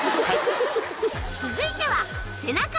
続いては。